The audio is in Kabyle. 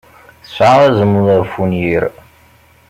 Tesɛa azmul ɣef wenyir.